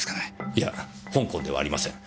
いや香港ではありません。